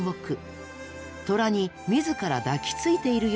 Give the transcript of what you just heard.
トラに自ら抱きついているようにも見えるんです。